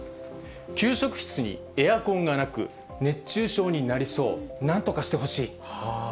給食室にエアコンがなく、熱中症になりそう、なんとかしてほしい。